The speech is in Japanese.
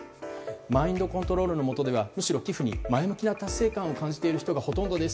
マインドコントロールの下ではむしろ寄付に前向きな達成感を感じている人がほとんどです。